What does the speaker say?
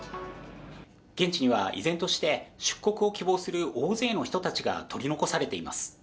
現地には依然として出国を希望する大勢の人たちが取り残されています。